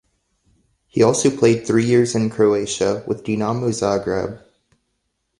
He also played three years in Croatia, with Dinamo Zagreb.